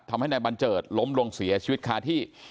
ทำให้นายบัญเจิดล้มลงเสียชีวิตคาที่